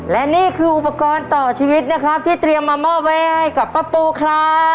และนี่คืออุปกรณ์ต่อชีวิตนะครับที่เตรียมมามอบไว้ให้กับป้าปูครับ